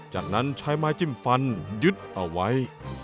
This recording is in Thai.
จากนั้นใช้ไม้จิ้มฟันยึดเอาไว้